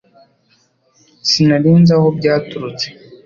Sinari nzi aho byaturutse